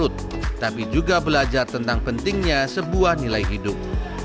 tapi juga belajar tentang pentingnya sebuah nilai hidup